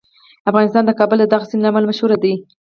افغانستان د کابل د دغه سیند له امله مشهور دی.